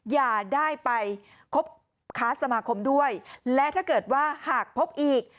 อย่าได้ไปคบค้าสมาคมด้วยและถ้าเกิดว่าหากพบอีก